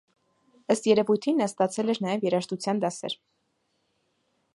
Ըստ երևույթին, նա ստացել էր նաև երաժշտության դասեր։